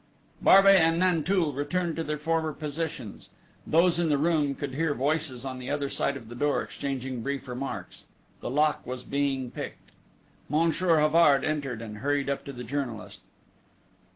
Barbey and Nanteuil returned to their former positions. Those in the room could hear voices on the other side of the door exchanging brief remarks. The lock was being picked. Monsieur Havard entered and hurried up to the journalist.